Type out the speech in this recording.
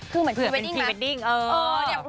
คือเหมือนพรีเวดดิ้งไหม